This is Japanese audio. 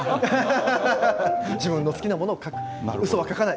自分の好きなものを書くうそは書かない